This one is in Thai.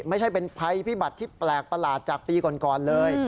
ไม่ใช่เป็นภัยพิบัติที่แปลกประหลาดจากปีก่อนเลย